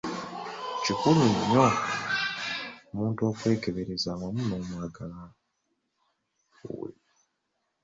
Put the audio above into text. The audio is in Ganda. Kikulu nnyo omuntu okwekebereza awamu n’omwagalwa wo.